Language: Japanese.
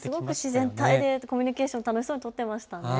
自然体でコミュニケーション楽しそうに取っていましたね。